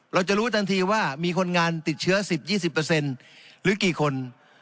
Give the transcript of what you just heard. เราจะรู้ทันทีว่ามีคนงานติดเชื้อ๑๐๒๐หรือกี่คน